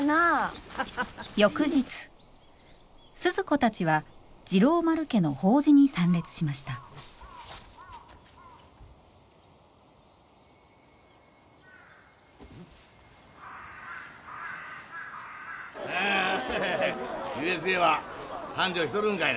翌日スズ子たちは治郎丸家の法事に参列しましたＵＳＡは繁盛しとるんかいな？